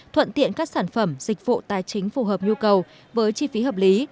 thuận tiện các sản phẩm dịch vụ tài chính phù hợp nhu cầu với chi phí hợp lý